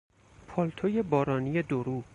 پالتو بارانی دو رو